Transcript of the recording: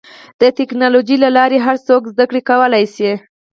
د ټکنالوجۍ له لارې هر څوک زدهکړه کولی شي.